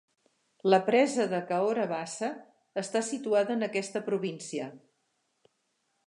La presa de Cahora Bassa està situada en aquesta província.